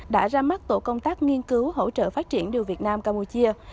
đã ra mắt tổ công tác nghiên cứu hỗ trợ phát triển đường việt nam campuchia